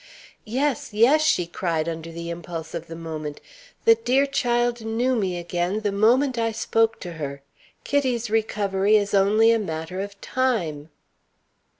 "Yes! yes!" she cried, under the impulse of the moment. "The dear child knew me again, the moment I spoke to her. Kitty's recovery is only a matter of time."